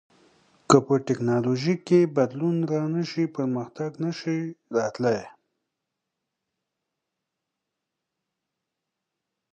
که په تکنالوژۍ کي بدلون رانشي پرمختګ نشي راتلای.